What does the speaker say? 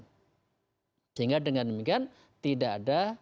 sehingga dengan demikian tidak ada